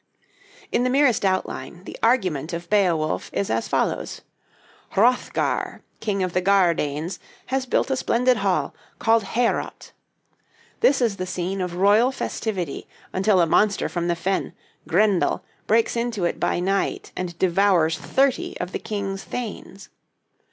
In the merest outline, the argument of 'Beowulf' is as follows: Hrothgar, King of the Gar Danes, has built a splendid hall, called Heorot. This is the scene of royal festivity until a monster from the fen, Grendel, breaks into it by night and devours thirty of the king's thanes.